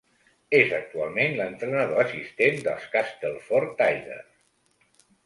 És actualment l'entrenador assistent dels Castleford Tigers.